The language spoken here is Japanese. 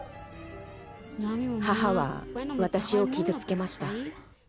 母は私を傷つけました。